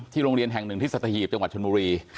ที่โรงเรียนแห่ง๑ที่สถาหีพจังหวัดชนมุรี